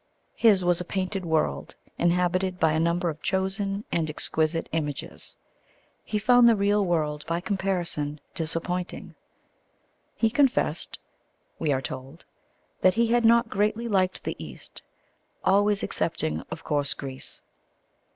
His was a painted world inhabited by a number of chosen and exquisite images. He found the real world by comparison disappointing. "He confessed," we are told, "that he had not greatly liked the East always excepting, of course, Greece."